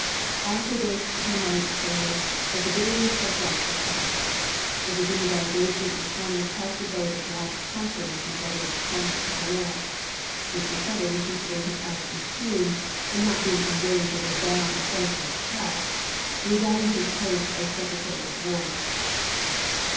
After this he might say that the bitterness of death was past. The Virginia delegation in Con gress passed a vote of want of confidence in the Government's conduct of the war. Mr. Seddon, considering his honor impugned, and being not un willing to lay down a thankless task, resigned his «KeLost post of Secretary of War.